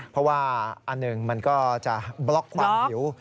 เพราะว่าอันหนึ่งมันก็จะบล็อกความหิว